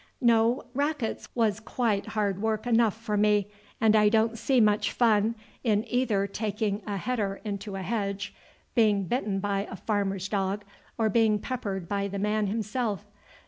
"No, rackets was quite hard work enough for me; and I don't see much fun in either taking a header into a hedge, being bitten by a farmer's dog, or being peppered by the man himself.